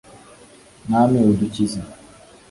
mwami udukize